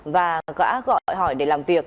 và gã gọi hỏi để làm việc